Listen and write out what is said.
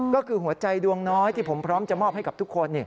ก็คือหัวใจดวงน้อยที่ผมพร้อมจะมอบให้กับทุกคน